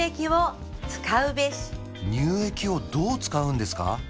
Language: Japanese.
乳液をどう使うんですか？